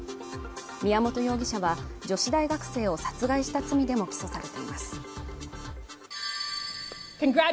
宮本容疑者は女子大学生を殺害した罪でも起訴されています。